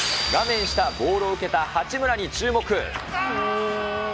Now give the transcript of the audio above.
画面下、ボールを受けた八村に注目。